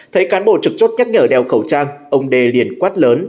thấy cán bộ trực chốt nhắc nhở đeo khẩu trang ông đê liền quát lớn